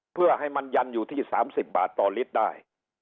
เพื่อให้มันยันอยู่ที่๓๐บาทต่อลิตรได้